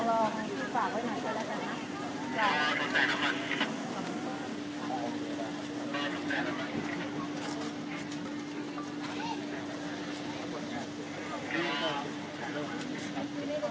สองเรากลับไป